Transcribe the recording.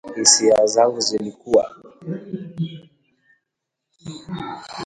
Hisia zangu zilikuwa